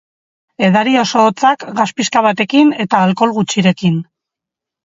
Edari oso hotzak, gas pixka batekin eta alkohol gutxirekin.